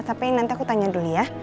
tapi nanti aku tanya dulu ya